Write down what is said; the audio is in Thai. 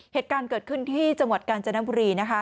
เหตุการณ์เกิดขึ้นที่จังหวัดกาญจนบุรีนะคะ